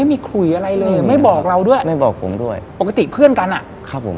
ไม่บอกเราด้วยไม่บอกผมด้วยปกติเพื่อนกันอ่ะครับผม